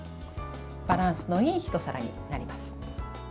バランスのいいひと皿になります。